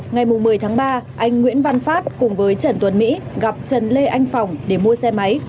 ngày một mươi tháng ba anh nguyễn văn phát cùng với trần tuấn mỹ gặp trần lê anh phòng để mua xe máy